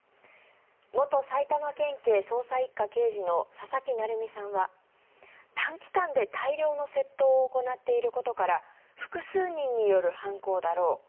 元埼玉県警捜査１課刑事の佐々木成三さんは短期間で大量の窃盗を行っていることから複数人による犯行だろう。